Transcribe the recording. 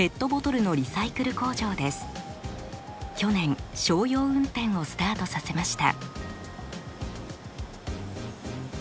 去年商用運転をスタートさせました。